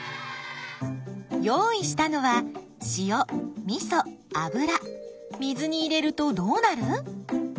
用意したのは塩みそ油水に入れるとどうなる？